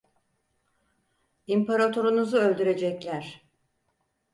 İmparatorunuzu öldürecekler!